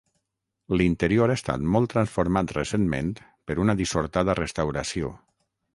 L'interior ha estat molt transformat recentment per una dissortada restauració.